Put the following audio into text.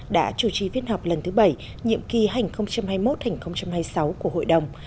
đã chủ trì phiên họp lần thứ bảy nhiệm kỳ hai nghìn hai mươi một hai nghìn hai mươi sáu của hội đồng